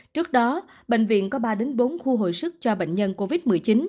trước đó bệnh viện có ba bốn khu hồi sức cho bệnh nhân covid một mươi chín